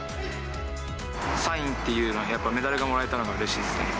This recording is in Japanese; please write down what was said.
３位っていうのは、やっぱメダルがもらえたのがうれしいですね。